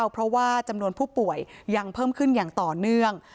เพราะว่าจำนวนผู้ป่วยยังเพิ่มขึ้นอย่างต่อเนื่อง